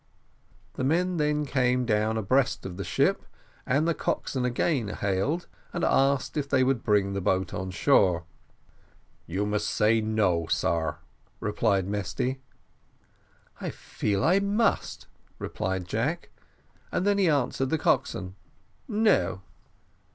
The men then came down abreast of the ship, and the coxswain again hailed, and asked if they would bring the boat on shore. "You must say No, sar," replied Mesty. "I feel I must," replied Jack, and then he answered the coxswain, "No."